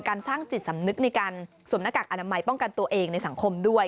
การสร้างจิตสำนึกในการสวมหน้ากากอนามัยป้องกันตัวเองในสังคมด้วย